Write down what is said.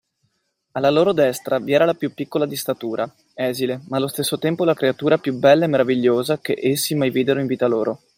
Alla loro destra vi era la più piccola di statura, esile, ma allo stesso tempo la creatura più bella e meravigliosa che essi mai videro in vita loro.